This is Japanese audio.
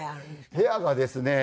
部屋がですね